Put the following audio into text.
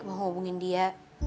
mau hubungin dia